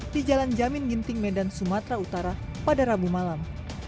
di jalan jamin ginting medan sumatera utara pada rabu malam